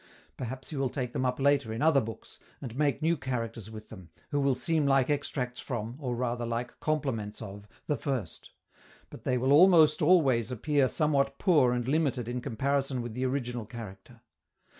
Perhaps he will take them up later in other books, and make new characters with them, who will seem like extracts from, or rather like complements of, the first; but they will almost always appear somewhat poor and limited in comparison with the original character.